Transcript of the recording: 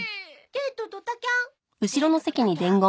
デートドタキャン。